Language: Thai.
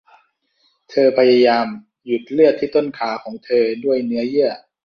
เธอพยายามหยุดเลือดที่ต้นขาของเธอด้วยเนื้อเยื่อ